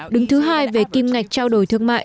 đứng thứ hai về kim ngạch trao đổi thương mại